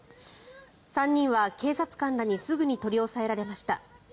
３人は警察官らにすぐに取り押さえられました。